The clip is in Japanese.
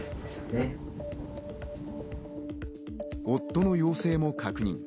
夫の陽性も確認。